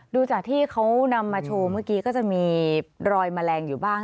ดูจากที่เขานำมาโชว์เมื่อกี้ก็จะมีรอยแมลงอยู่บ้าง